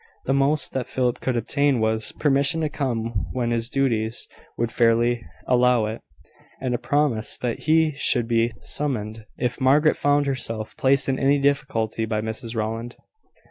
The most that Philip could obtain was, permission to come when his duties would fairly allow it, and a promise that he should be summoned, if Margaret found herself placed in any difficulty by Mrs Rowland.